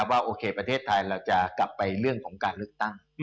ว่าประเทศไทยจะกลับไปเรื่องการเลือกตั้ง